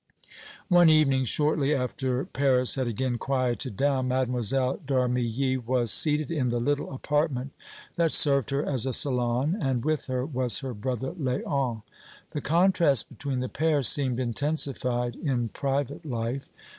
One evening, shortly after Paris had again quieted down, Mlle. d'Armilly was seated in the little apartment that served her as a salon, and with her was her brother Léon. The contrast between the pair seemed intensified in private life.